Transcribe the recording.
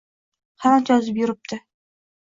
Qanot yozib yuribdi.